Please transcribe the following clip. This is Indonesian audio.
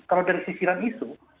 kalau dari sisiran isu